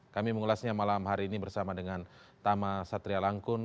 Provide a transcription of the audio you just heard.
kami mengulasnya malam hari ini bersama dengan tama satria langkun